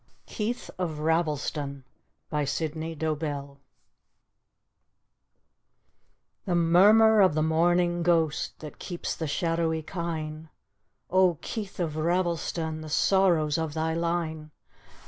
KEITH OF RAVELSTON : sydnev dobbll The murmur of the mourning ghost That keeps the shadowy kine, "Oh, Keith of Ravelston, The sorrows of thy line!